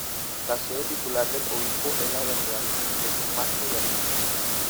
La sede titular del obispo es la catedral de San Marcos de Arica.